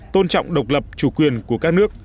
tôn trọng độc lập chủ quyền của các nước